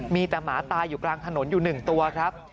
มีแต่หมาตายอยู่กลางถนนอยู่๑ตัวครับ